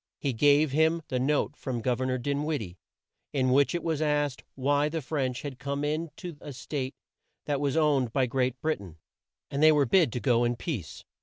He gave him the note from Gov er nor Din wid die, in which it was asked why the French had come in to a State that was owned by Great Brit ain, and they were bid to go in peace.